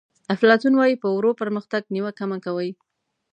افلاطون وایي په ورو پرمختګ نیوکه مه کوئ.